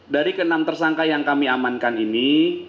dari ke enam tersangka yang kami amankan ini